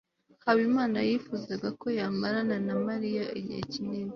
habimana yifuzaga ko yamarana na mariya igihe kinini